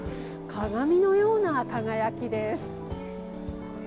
鏡のような輝きです。